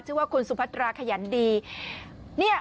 ชื่อว่าคุณสุพัตราขยันดี